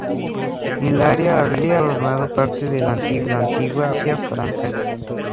El área había formado parte de la antigua Austrasia franca.